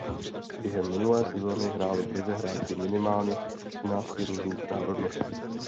Během minulé sezóny hráli v lize hráči minimálně třinácti různých národností.